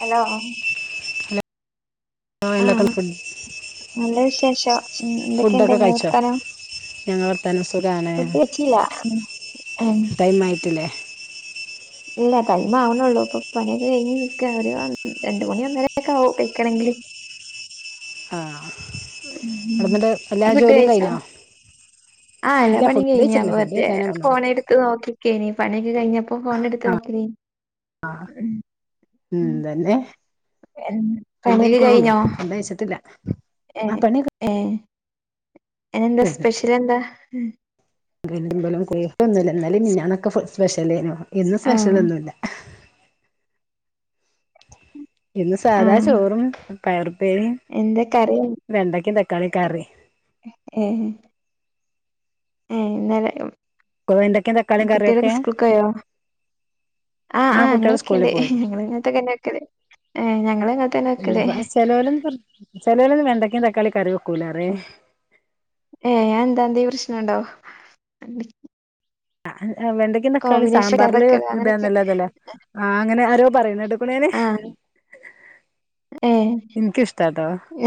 Hello ആ [unintelligible] ശേഷം ഉ എന്തൊക്കെണ്ട് ഫുഡൊക്കെ ഇങ്ങളെ കഴിച്ചോ വർത്താനം ഞങ്ങൾ തന്ന സുഖാണ് ഫുഡ് കഴിച്ചില്ല ഉം ഉം ടൈം ആയിട്ടില്ലേ ഇല്ല ടൈം ആവണള്ളൂ ഇപ്പൊ പണിയൊക്കെ കഴിഞ്ഞ് നിക്ക അവ രണ്ട മണിന്നേര ഒക്കെ ആവും കഴിക്കണെങ്കില് ആ അവിടുന്നിട്ട് എല്ലാ ഫുഡ് ജോലിയും കഴിച്ചോ കഴിഞ്ഞോ ആ എല്ലാ ഇല്ല പണി ഫുഡ് കഴിഞ്ഞ കഴിച്ചിട്ടില്ല വ ഫുഡ് കഴിക്കാനേ വന്നുള്ളൂ ഫോണെടുത്ത് നോക്കിരിക്കാണ് പണി കഴിഞ്ഞപ്പോ ഫോണെടുത്ത് ആ നോക്കിനി എൻ ഫുഡൈക്കണോല്ലോ ഫുഡ് കയ്ച്ചിട്ടില്ല ഏ ഏ അനെന്താ സ്പെഷ്യലെന്താ [unintelligible] ന്നുല്ല്യാ ഇന്നലെം മിനഞ്ഞാന്നൊക്കെ ഫ സ്്പെഷലെ നു ഇന്ന് ആഹ് സ്പെഷ്യലൊന്നുല്ല ഇന്ന് സാധാ ആഹ് ചോറും പയറുപ്പേരിം എന്താ കറി വെണ്ടക്കും തക്കാളി കറി ഏ [unintelligible] വെണ്ടക്കും തക്കാളിയും കറിയൊക്കെ പോയോ ആഹ് ആ ആഹ് ഞങ്ങള് കുട്ടികൾ വെക്കണ്ട് സ്കൂളിൽ പോയി ഞങ്ങള് ഇങ്ങനത്തെക്കന്നെ വെക്കല് ഏഹ് ഞങ്ങള് ഇങ്ങനത്തന്നെ വെക്കല് [unintelligible] കളി കറി വെക്കൂല റേ ഏ ഞാൻ എന്താന്ത പ്രശ്നംണ്ടാവോ ആ വെണ്ടക്കെ തക്കാളി സാമ്പാറിൽ വെക്കലോ ഒക്കെ അങ്ങനൊക്കെ ഇടന്നല്ലാതല്ലേ അങ്ങനെ ആരോ പറയുന്നണ്ട് ആ ഏ എനിക്കിഷ്ടാട്ടോ ഞ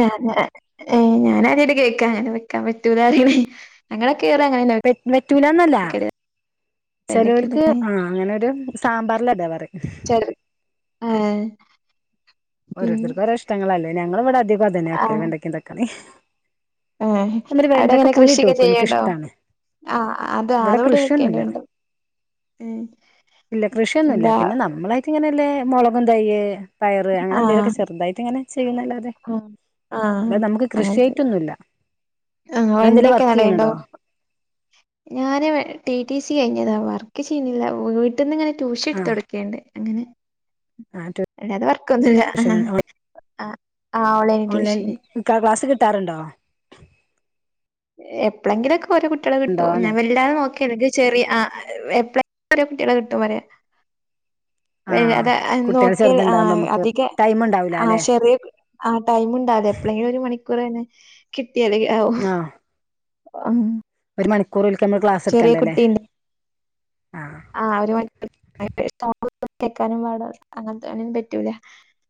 ഏ ഞാനൻ ആദ്യാട്ട് കേക്ക അങ്ങനെ പറ്റൂല [unintelligible] വെറ്റുവിനന്നല്ല വെക്കല് വെണ്ടക്കിം ചലവർക്ക് ഇതൊക്കെ ആ അങ്ങനെരു സാമ്പാറിൽതാവറ [unintelligible] ഏ ഓരോരുത്തർകും ഒരോ ഇഷ്ടങ്ങളല്ലേ ഞങ്ങൾ ഇവിടെ അധികം അതന്നെ വെക്കല് വെണ്ടക്ക തക്കാളി ആ അതേമാതിരി അവിടെ എങ്ങനെ പുളിയിട്ട് കൃഷിയൊക്കെ വെക്കും ചെയ്യേണ്ടോ എനിക്കിഷ്ടാണ് ആ അത് ഇവിടെ അതോടി കൃഷിയൊന്നുല്ല വെക്കേണ്ടണ്ട് ഉ ഇല്ല കൃഷിയൊന്നുല്ല എന്താ പിന്നെ നമ്മളായിട്ട് ഇങ്ങനെല്ലേ മുളകും തൈയ്യ് അങ്ങനെന്തേലും ആഹ് ഒക്കെ ചെറുതായിട്ട് ഇങ്ങനെ ചെയ്യുന്നല്ലാതെ ആഹ് അല്ല നമുക്ക് കൃഷിയായിട്ടൊന്നുവില്ല ആ വെണ്ടയ്ക്ക നടെണ്ടോ ഞാന് ടി ടി സി കഴിഞ്ഞതാ വർക്ക് ചെയ്യുന്നില്ല വീട്ടിൽന്ന് ഇങ്ങനെ ട്യൂഷൻ എടുത്ത് ആഹ് കൊടിക്കണ്ട് അങ്ങനെ ആഹ് അല്ലാതെ വർക്ക്ഒന്നുല്ല ട്യൂഷൻ ഓൺലൈന് ടൂഷന് ട്ടറിണ്ടോ എപ്പളെങ്കിലൊക്കെ ഓരോ കുട്ടികളെ കിട്ടും ഉണ്ടോന്ന് ഞൻ വല്ലാരും നോക്ക എനിക്ക് ചെറിയ ആ എ ഓരോ കുട്ടികളെ കിട്ടും വരെ വ ആഹ് അത കുട്ടികൾ നോക്കിയൽ ആ ചെറുതുണ്ടാവുമ്പോ നമുക്ക് അധിക ടൈം ഉണ്ടാവൂല ആ അല്ലെ ചെറിയ ആ ടൈം ഉണ്ടാവൂല എപ്പഴെക്കിലും ഒരു മണിക്കൂർ തനെ കി [unintelligible] ആ മണിക്കൂറിൽ നമ്മ ക്ലാസ് എടുക്കണ്ടല്ലേ ആഹ് ആ അവര് [unintelligible] കേക്കാനും പാട അങ്ങനത്തെ അങ്ങനും പറ്റൂല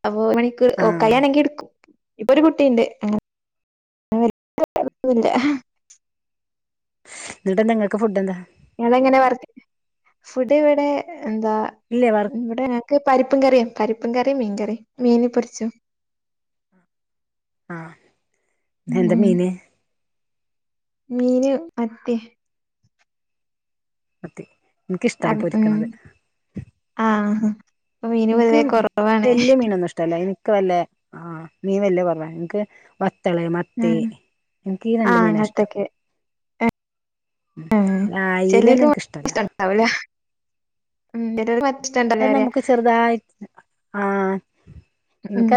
ഓ മണിക്കൂർ ഓകെ ആഹ് യാണെങ്കി എടുക്കും പ്പ ഒരു കുട്ടിയുണ്ട് [unintelligible] ന്തുട്ടാ നിങ്ങക്ക് ഫുഡ് എന്താ ഞങ്ങ ഇങ്ങനെ വർ ഫുഡ് ഇവിടെ എന്താ ഇല്ലേ വർ ഇവിടെ ഞക്ക് പരിപ്പും കറിയും പരിപ്പ് പ്പും കറി മീൻകറി മീൻ പൊരിച്ചത് ആഹ് എന്ത് മീന് മീന് മത്തി മത്തി എനിക്കിഷ്ടാണ് ആഹ് ഉം പൊരിക്കണത് ആ ആ എനിക്ക് വല്യ മീനൊന്നും ഇഷ്ടല്ല എനിക്ക് വല്ല ആ നീ വല്ലേ പറഞ്ഞ നിനക്ക് മുത്തളേ മത്തി ഉം എനിക്കീ രണ്ട് മീനാ ഇഷ്ടം ആ അയിലയൊന്നും ചെല്ലേക്ക് എനിക്കിഷ്ടല്ല ഇഷ്ടണ്ടാവൂല ഉം [unintelligible] അത് പറയാ നമുക്ക് ചെറുതായി ആ ഉം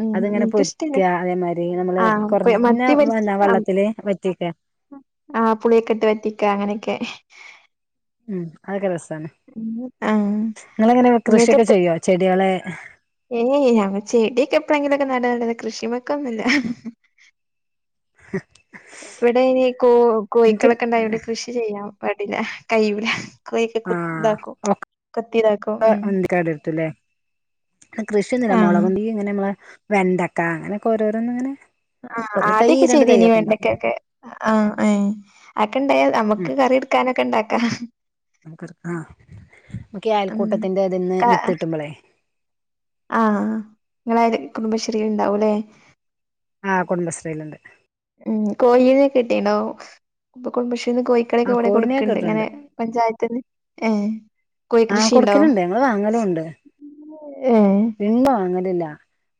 ഉം ഉം അതിങ്ങനെ പൊരിക്ക എനിക്കിഷ്ടന്നെ അതേമാതിരി നമ്മള് ആ കുറഞ്ഞ മത്തി പൊരി എന്താ വെള്ളത്തില് വറ്റിക്ക ആ പുളിയൊക്കെ ഇട്ട് വറ്റിക്ക അങ്ങനെയൊക്കെ ഉം അത കെ [unintelligible] ആഹ് ഇങ്ങക്ക കൃഷിയൊക്കെ ചെയ്യോ ചെടികളെ ഏത് ഞമ്മ ചെടിയൊക്കെ എപ്പളങ്കി നട കൃഷിമൊക്കൊന്നുല്ല ഇവിടെ ഇനി കോ എനിക്ക് കോഴക്കളൊക്കെ ഉണ്ടായി ഇവിടെ കൃഷി ചെയ്യാം വടില കയ്യുല കൈക്ക ആഹ് കുതാക്കോ ഒക്കെ കത്തിതാക്കോ ഉം കൃഷിന്നില്ല ആഹ് മുളകുന്തി ഇങ്ങനെ നമ്മളെ വെണ്ടക്ക അങ്ങനെയൊക്കെ ഓരോരോന്നും ഇങ്ങനെ ആഹ് ഓരോ തൈ ആദ്യമൊക്കെ രണ്ട് ചെയ്തനി തൈയൊക്കെ ഉണ്ടാവും വെണ്ടക്കെ ഒക്കെ ആഹ് എഹ് അക്കെണ്ടായ നമ്മുക്ക് കറി എടുക്കാനക്കൊ ക്കെ ഇണ്ടാക്കാ നമ ആഹ് നമ്മക്കെ ഉം അയൽക്കൂട്ടത്തിന്റെ ഇതിന്ന് ക വിത്ത് കിട്ടുമ്പോളേ ആഹ് നിങ്ങളായത് കുടുംബശ്രീൽ ഉണ്ടാവും ല്ലേ ആഹ് കുടുംബശ്രീയില്ണ്ട് ഉം കോഴീനെ കിട്ടീണ്ടോ ഇപ്പോ കുടുംബശ്രീ ഇന്ന് കോഴിക്കളൊക്കെ ആഹ് ഇവിടെ കോയിനെ കൊടുക്ക്ണ്ട് ഇങ്ങനെ കിട്ടണ്ട് പഞ്ചായത്തിന്ന് എഹ് ആഹ് കൊടുക്കലുണ്ട് ഞങ്ങള്ൾ വാങ്ങലുംണ്ട് ഏഹ് ഇന്നു [unintelligible] ലില്ലാ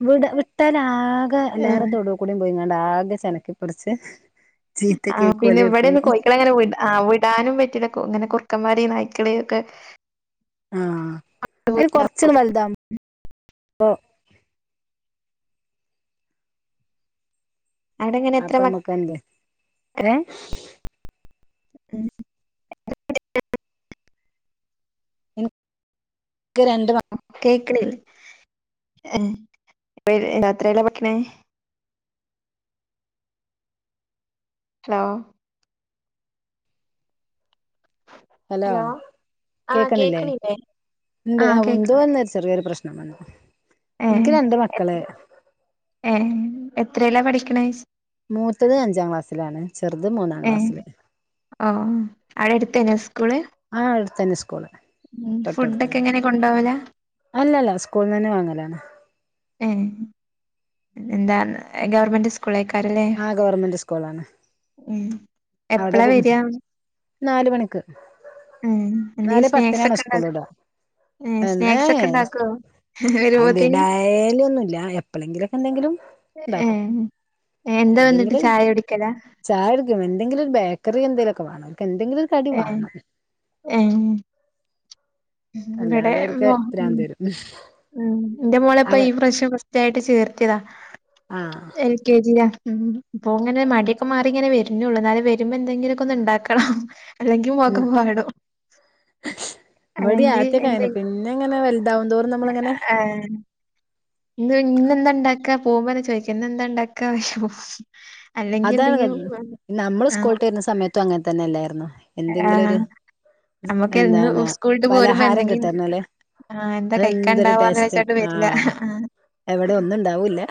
വിട വിട്ടാലാകെ എല്ലാര ഏഹ് തൊടൂ കൂടിം പോയിങ്ങാ ണ്ടാകെ ചെനക്കിപ്പറിച്ച് ആ പിന്നെ ഇവിടെന്ന് കോയിക്കള അങ്ങനെ ആ വിടാനും പറ്റില്ല ഇങ്ങനെ കു ക്കമാര നയിക്കള ഒക്കെ ആ അയ്ന് കൊറച്ന് വലുതാ ഒ അവിടെങ്ങനെ എത്ര അപ്പ മ മ്മക്ക് [unintelligible] ഏ മ് [unintelligible] എ ക്ക് രണ്ട് മ [unintelligible] രാത്രിയല്ല [unintelligible] ഹലോ ഹലോ ആഹ് കേക്കണില്ലേ? കേക്ക്ണില്ലേ [unintelligible] ആഹ് ആ [unintelligible] ചെറിയ ഒരു പ്രശ് [unintelligible] ഏ [unintelligible] ഏ എത്രേല്ല പഠി [unintelligible] മൂത്തത് അഞ്ചാം ക്ലാസ്സിലാണ്, ചെറുത് മൂന്നാം ഏഹ് ക്ലാസ്സില്, ഓഹ് അവിടെ ആ [unintelligible] മ് ഫുഡോക്കെ തൊട്ടടുത്തന്നെ എങ്ങനെ കൊണ്ടാവല? അല്ലല്ല സ്കൂളിൽ തന്നെ വാങ്ങലാണ്. മ് എന്താണ് ഗവർമന്റ് സ് ആ ഗവർമന്റ് സ്കൂളാണ്. ഉം അവിടെ എപ്പളാ വരിയാ? നാല് മണിക്ക് നാല് എന്തെങ്കിലും പത്തിനാണ് സ്നാക്സൊക്കെണ്ടോ സ്കൂൾ വിടാ ഏഹ് എന്നേ സ്നാക്സ് ഒക്കെ ഇണ്ടാക്കോ? അത് വരുമ്പോത്തിന് ഡയലി ഒന്നുല്ല എപ്പളെങ്കിലൊക്കെ എന്തെങ്കിലും ഇണ്ടാക്കും ഏഹ് എന്താ വന്നിട്ട് എന്തെങ്കിലും ചായ കുടിക്കലാ? ലും ബേക്കറി എന്തേലൊക്കെ വാണോ എക്കന്തെങ്കിലു ഏഹ് ഇവടെ [unintelligible] ഉ വരും ഇന്റെ മോളെ പ്പെ അവ ഈ പ്രാവശ്യം ഫസ്റ്റായിട്ട് ചേർത്തിതാ ആഹ് എൽ കെ ജിയാ ഉം ഇപ്പോ ഇങ്ങനെ മട്യക്കെ മാറിങ്ങനെ വരുന്നൊള്ളൂ ബന്നാലു വരുമ്പോ എന്തെങ്കിലെക്കെ ഒന്ന് ഉണ്ടാക്കണം അല്ലെങ്കി പോക്കപ്പ് പറ്യടോ ഇവടി ആത്ത്യൊക്കെ അങ്ങനെ. പിന്നെ ഇങ്ങനെ വല്താവുതോറും നമ്മളങ്ങനെ. ഏഹ് ഇന്ന് ഇന്നെന്താ ഇണ്ടാക്കാ പോകുമ്പന്നെ ചോ അതാണ് നമ്മള് ആഹ് സ്കൂള്ട്ട് വരുന്ന സമയത്തും അങ്ങനെ തന്നെ അല്ലേര്ന്നൊ എന്തെങ്കിലും ആഹ് ഒരു നമ്മക്ക് ഇന്ന് എന്താണ് സ്കൂളിട്ട് പോരുമ്പോ പലഹാരം എന്തെങ്കിലും കിട്ടന്ന്ല്ലേ ആഹ് അതെന്തരു ടേസ്റ്റ് ആഹ് ഇവിടെ ഒന്നും ഉണ്ടാവൂല്ല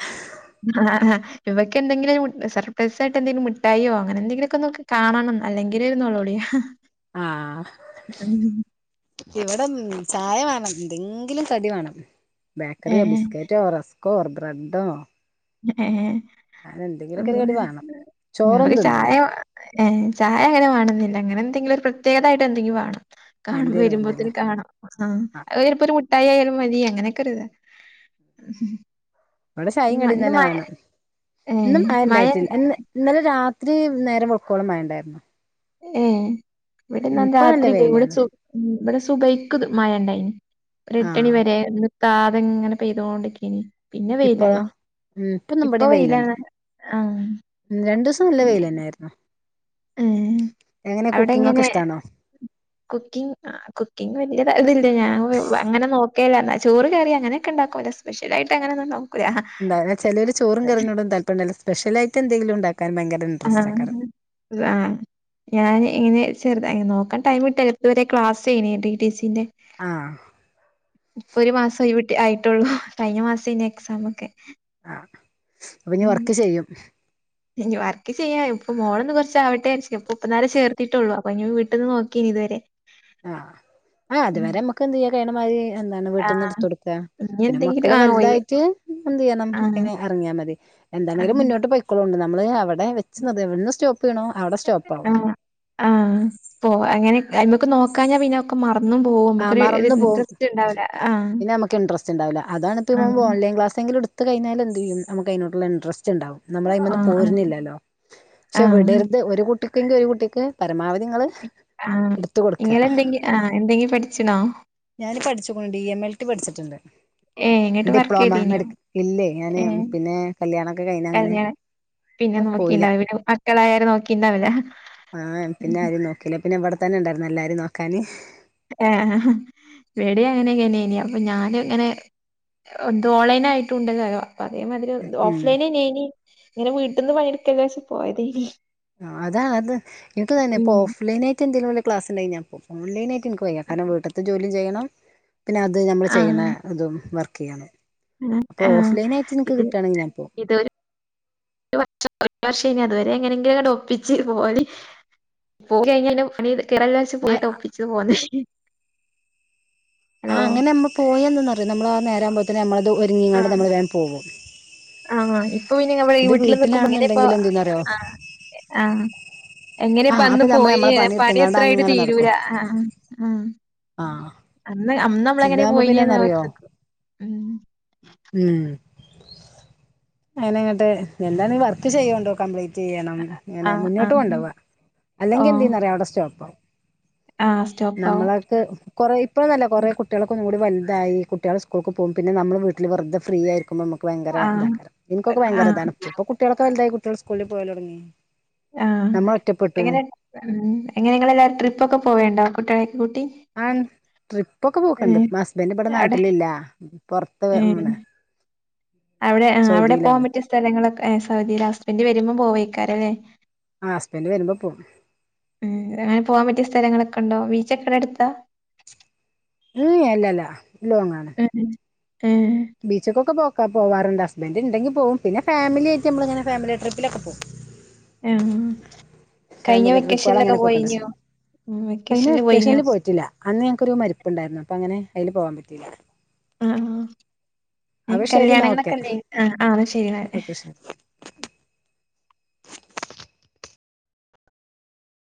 അഹ് അഹ് ഒെ എന്തെങ്കിലും സർപ്രൈസായി് എന്തെങ്കിലും മിലായിങ്ങനെ എന്തെങ്കിലൊക്കെ ഒന്ന് കാണണം അല്ലെങ്കിലുംരു നോളോളിയോ ആഹ് ഇവിട ഒന്ന് ചായ വേണം ഇന്തെങ്കിലും കടി വേണം ബേക്കറിയൊ ഏഹ് ബിസ്ക്കറ്റൊ റെസ്‌ക് ക്കോ ബ്രെഡോ ഏ അങ്ങനെ എന്തെങ്കിലുമൊക്കെ ഒരു കടി വേണം [unintelligible] ക്ക് ചോറൊന്നും തിന്നൂല ചായ ഏ ചായ അങ്ങനെ വേണുന്നില്ല അങ്ങനെ എന്തങ്കിലും പ്രത്യേകമായിട്ട് എന്തെങ്കിലും വാണം കാണ എന്തേലും മതില്ലേ വരുമ്പോത്തന് കാണാം ആ ആ [unintelligible] ഒരു മുട്ടായി ആയാലും മതി അങ്ങനെയൊക്കെരുത അവിടെ ശൈ കടീന്ന് തന്നെ വേണം ഏഹ് ഇന്നും മഴ ആണ്ടായിര ഇന്നലെ രാത് ഒത്തിരി നേരം ഉൾക്കോള ആണ്ടായിരുന്നു ഏ ഇവിടെന്നൻ നല്ല രാത്രില്ലേ ഇവിടെു വെയിലാണ് ഇവിടെ സുബൈക്ക് മായണ്ടായിന് എട്ടണി ആഹ് വരെ താതെ ഇങ്ങനെ പെയ്തോണ്ടക്കനി പിന്നെ ഇപ്പോഴോ വെയിലായി ഉം ഇപ്പൊന്നും ഇപ്പൊ ഇവിടെയും വെയിലുണ്ട് വെയിലാണ് ആ രണ്ടു ദിവസം നല്ല വെൽന്നായിയിരുന്നു [unintelligible] അവിടെ കുക്കിംഗ് ഒക്കെ ഇങ്ങനെ ഇഷ്ടാണോ കുക്കിങ് കുക്കിങ് വല്ത ഇതില്ല ഞാ അങ്ങനെ നോ ഒക്കാ ചോറ് കയറി അങ്ങനൊക്കെണ്ടുംുമ സ്പെ്യ ആട്ട് അങ്ങനന്ന എന്ത ചിലൊരു ചോറും കറിഞ്ഞോടും താല്പയംല്ല സ്പെഷ്യലായിട്ട് എന്തെങ്കിലും ഉണ്ടും ആ ആ ഞാൻ ഇങ്ങനെ ചെറുതായി നോക്കാൻ ടൈം കിട്ടല്ല ഇപ്പ ഇതുവരെ ക്ലാസേനി ഡി ടി സി ന്റെ ആഹ് ഇപ്പൊ ഒരു മാസൊയിവി ആയിട്ടുള്ളൂ കഴിഞ്ഞ മാസേനി എക്സാം ഒക്കെ ആ അപ്പൊ ഇഞ് ഉം വർക്ക് ചെയ്യും ഇനി വർക്ക ക്ക് ചെയ്യാം ഇപ്പം മോളൊന്ന് കുറച്ച് ആവട്ടേ വിജാര്ച്ച്ക്ക ഇപ്പം ഇപ്പന്നാരെ ചേർത്തിട്ടുള്ളൂ അപ്പൊ ഇനി വീട്ടിന്ന് നോക്കേനി ഇതുവരെ ആ ആ ഉം. അതുവരെ നമ്മുക്ക് എന്തെയ്യ [unintelligible] [unintelligible] എന്താണ് ആ വീട്ടിന്ന് എടുത്തു കൊടുക്ക ഇനി പിന്നെ എന്തെങ്കിലും മക്കള് ആ ഒയ് വലുതായിട്ട് എന്ത് ചെയ്യണം ആ അയ് എറങ്ങിയാ മതി ആ എന്താണങ്കിലും മുന്നോട്ട് പൊയ്ക്കൊളോണ്ട് നമ്മള് എവിടെ വെച്ച്ന്നത് എവിട്ന്ന് സ്റ്റോപ്പ് ചെയ്യണോ അവിടെ സ്റ്റോപ്പ് ആവും ആ ആ പോവാ അങ്ങനെ അയ്മ്മക്ക് നോക്കാഞ്ഞാ പിന്നൊക്കെ മറ ആ മറന്നു പോവും ആ പിന്നെ നമുക്ക് ഇൻട്രസ്റ്റ് ഇണ്ടാവില്ല അതാണ് ആ ഇപ്പം ഓൺലൈൻ ക്ലാസ്സെങ്കിലും ഇട് ത്തു കഴിഞ്ഞാൽ എന്തയ്യും നമുക്ക് അയിനോടുള്ള ഇൻട്രസ്റ്റ് ണ്ടാവും നമ്മള് ആ അയിമന്ന് ആ പോരുന്നില്ലല്ലോ ആ പക്ഷെ വിടരുത് ഒരു കുട്ടി [unintelligible] ങ്കി ഒരു കുട്ടിക്ക് പ ആ നിങ്ങൾ എന്തെങ്കി ആ എന്തെങ്കിലും പഠി ഞാന് പഠിച്ചുകൊണ്ടേ എം എൽ റ്റി പഠിച്ചിട്ടുണ്ട് ഏ ഇങ്ങട്ട് വർക്ക് ഡിപ്ലോമ ചെയ്തീന്യോ? മെഡിക് ഇല്ലേ ഞാന് ഏ പിന്നെ കല്യാണൊക്കെ കഴിഞ്ഞ് അങ്ങനെ കല്യാണം പിന്നെ പോയില നോക്കിണ്ടാവൂല മക്കളായാരെ നോക്കിണ്ടാവൂല. ആ പിന്നെ ആരും നോക്കില്ല പിന്നെ ഇവിടെ തന്നെ ഇണ്ടാര്ന്നെല്ലാരിം നോക്കാന് ആ വടിം അങ്ങനെക്കന്നേനി അപ്പം ഞാന് ഇങ്ങനെ ഇതോൺലൈൻ ആയിട്ടും ഉണ്ടല്ലോ അതേ മാതിരി ഉം ഓഫ് ലൈന്നേനി ഇങ്ങനെ വീട്ടീന്ന് പണിയെടുക്കജാര്ച്ച് പോയതേനി ആ അതാ അത് ഇൻക്കും തന്നെ ഉം ഇപ്പോ ഓഫ് ലൈൻ ആയിട്ട് എന്തെങ്കിലും വല്ല ക്ലാസ്സുണ്ടേൽ ഞാൻ പോവും ഓൺ ലൈൻ ആയിട്ട് തിൻക്ക് വയ്യ കാരണം വീട്ട്ത്തെ ജോലിം ചെയ്യണം പിന്നെ അത് ഞമ്മൾ ചെയ്യണ ഇതും വർ ക്കെയാണ് ആ ഇത് ഞാൻ പോകും ഇത് ഒരു ഒറ്റ [unintelligible] അത് എങ്ങനെയെങ്കിലും അങ്ങോട്ട് ഒപ്പിച്ച് പോവല് പോയി കഴിഞ്ഞ പിന്നെ പണിണ്ട് [unintelligible] ആഹ് അങ്ങനെ നമ്മ പോയന്ന് നമ്മളാ നേരാ വുമ്പോത്തിന് നമ്മള് ഒരുങ്ങിങ്ങാണ്ട് ആഹ് നമ്മള് വേം ണ് പോവും ആഹ് ഇപ്പൊ പിന്നാ [unintelligible] വീട്ടിൽ നിക്കുമ്പ ഇങ്ങനെ ഇപ്പ ആ ആ എങ്ങനെപ്പ ആഹ് അന്ന് അപ്പൊ നമ്മള് പോയി നമ്മളെ പണി പണിയെടുത്തങ്ങാണ്ട് എത്രായിട്ട് അങ്ങനെ നടക്കും തീരൂരാ ആ അന്ന് അന്ന് നമ്മള ആഹ് എങ്ങനെ ഇതാവുമ്പോ പോയിന പിന്നെന്നറിയോ നേത്തേക്ക ഉ [unintelligible] ഉ [unintelligible] അയിന ഇങ്ങട്ട് എന്തീ വർക്ക് ചെയ്യണ്ടോ കംപ്ലീറ്റ് ചെയ്യണം ഇങ്ങനെ ആഹ് മുന്നോട്ട് ആഹ് കൊണ്ട പോവാ അല്ലെങ്കിൽ എന്ത ഓഹ് ചെയ്യുന്ന അറിയാം അവിടെ സ്റ്റോപ്പ ആും ആഹ് സ്റ്റോപ്പാവും നമ്മളൊക്ക്െ കൊറ ഇപ്പഴന്നല്ല കൊറെേ കുട്ടികൾക്ക ഒന്നും കൂടി വ ഈ കുട്ടികൾ സ്കൂൾക്ക് പോകും പിന്നെ നമ്മൾ വീട്ടില് വെുെ ഫ്രീയിരിക്കുമ്പോ നമക്ക്- ഭയങ്കര ആഹ് ഇണ്ടാാക്കാരം ആഹ് എനിക്കൊക്കെയങ്കരാണ് ഇപ്പൊ കുട്ടികള കതായ [unintelligible] കുട്ടികൾ സ്കൂളിൽ പോല തുടങ്ങി ആ നമ്മൾ ഒറ്റപ്പെട്ടു എങ്ങനെ എങ്ങനെങ്ങൾല്ലാവും ട്രിപ്പ ഒക്കെ പോവണ്ടോ കുട്ടികളെ കുട്ടി ആ ട്രിപ്പൊക്കെ പോക്കണ്ട് ഹസ്ബൻറ് ഇവിടെ നാട്ടിലില്ല പുറത്ത് - ഉം അവിടെ അവിടെ പോകാൻ പറ്റിയ സ്ഥലങ്ങളൊക്കെ- സൗദിയില ഹസ്ബൻഡറ് വരുമ്പോ പോവേക്കാാരല്ലേ ആ ഹസ്ബൻഡ് വരുമ്പോ പോവും അങ്ങനെ പോവാൻ പറ്റിയ സ്ഥലങ്ങളൊക്കെ ക്കണ്ടോ ബീച്ച എക്കടെ എടുത്താ ഉം അല്ലല്ല ലോങ്ങ ആാണ് ഉം ഉം ബീച്ചക്കൊക്കെ പോക്ക പോവാറുണ്ട് ഹസ്ബൻഡറ് ഉണ്ടെങ്കിൽ പോകും പിന്നെ ഫാമിലിായിട്ട് നമ്മള ഇങ്ങനെ ഫാിലി ട്രിപ്പിലൊക്കെ പോവും ആഹ് കഴിഞ്ഞ ഫാമിലി ട്രിപ്പുകൾ വെക്കേഷനിലൊക്കെ അങ്ങനെ പോയിക്കണ്ട് പോയിനോ ഉം കെ വെക്കേഷനില് പോയിനോ വെക്കേഷനിൽ പോയിട്ടില്ല അന്ന് ഞങ്ങക്കൊരു മരിപ്പുണ്ടായിരുന്നു അപ്പൊ അങ്ങനെ അതിന് പോകാൻ പറ്റിയില്ല ആഹ അപ്പൊ ശരി എന്നാ ഓക്കെ കല്യാണങ്ങളൊക്കെയില്ലേ ആളാ ചെയ്യുന്നേ ഓക്കെ ശരി [inaudible]